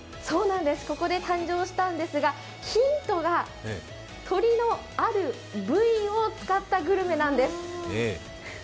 そうなんです、ここで誕生したんですが、ヒントが鶏のある部位を使ったグルメなんです。